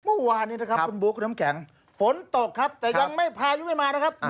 เมื่อวานนี้นะครับคุณบุ๊คคุณน้ำแข็งฝนตกครับแต่ยังไม่พายุไม่มานะครับ